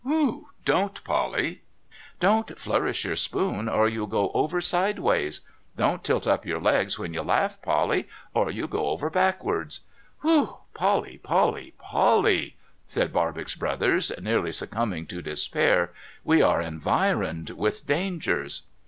' Whew ! Don't, Polly ! Don't flourish your spoon, or you'll go over sideways. Don't tilt up your legs when you laugh, Polly, or you'll go over backwards. AVhew ! Polly, Polly, Polly,' said Barbox Brothers, nearly succumbing to despair, ' we are environed with dangers